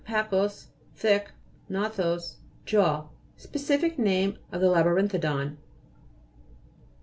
pachus, thick, gnathos, jaw. Specific name of the labyrinthodon (p.